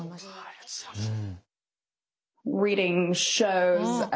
ありがとうございます。